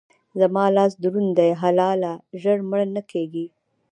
زما لاس دروند دی؛ حلاله ژر مړه نه کېږي.